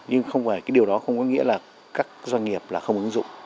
nhưng không phải cái điều đó không có nghĩa là các doanh nghiệp là không ứng dụng